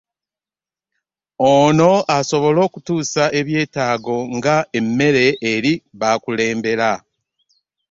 Ono asobole okutuusa ebyetaago nga emmere eri b'akulembera.